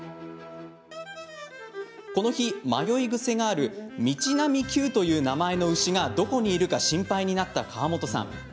この日、迷い癖があるみちなみ９という名前の牛がどこにいるか心配になった川本さん。